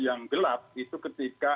yang gelap itu ketika